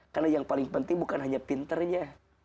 karena yang paling penting bukan hanya pinternya